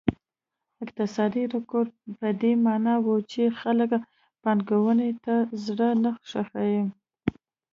اقتصادي رکود په دې معنا و چې خلک پانګونې ته زړه نه ښه کړي.